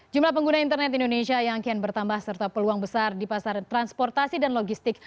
jumlah pengguna internet indonesia yang kian bertambah serta peluang besar di pasar transportasi dan logistik